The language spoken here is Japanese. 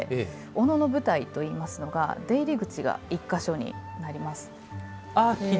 お能の舞台というのが出入り口が１か所になります。